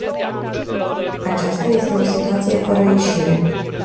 Aceasta este o situație fără ieșire.